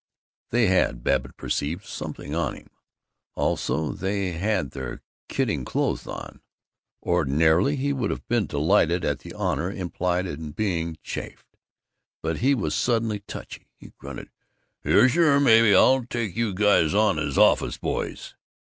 They had, Babbitt perceived, "something on him." Also, they "had their kidding clothes on." Ordinarily he would have been delighted at the honor implied in being chaffed, but he was suddenly touchy. He grunted, "Yuh, sure; maybe I'll take you guys on as office boys!"